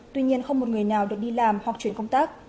tuy nhiên không một người nào được đi làm hoặc chuyển công tác